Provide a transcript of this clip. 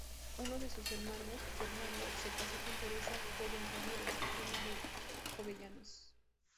Uno de sus hermanos, Fernando, se casó con Teresa Jove Ramírez, prima de Jovellanos.